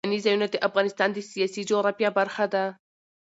سیلانی ځایونه د افغانستان د سیاسي جغرافیه برخه ده.